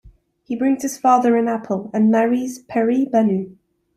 He brings his father an apple and marries Peri-Banu.